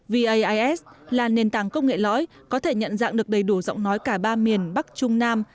vas là nền tảng công nghệ lõi có thể nhận dạng được đầy đủ giọng nói cả ba miền bắc trung nam